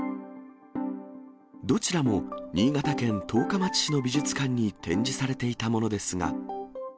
どちらも、新潟県十日町市の美術館に展示されていたものですが。